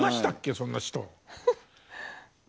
そんな人？